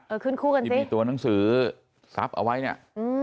เออขึ้นคู่กันสิที่มีตัวหนังสือซับเอาไว้เนี่ย